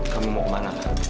kami mau kemana